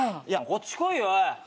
こっち来いよおい！